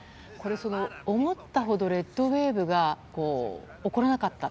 思ったほどレッドウェーブが起こらなかった。